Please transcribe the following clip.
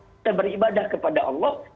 kita beribadah kepada allah